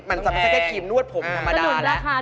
มันจะไม่ใช่แค่ทีมนวดผมธรรมดาแล้ว